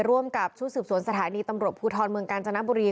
ร่วมกับชุดสืบสวนสถานีตำรวจภูทรเมืองกาญจนบุรี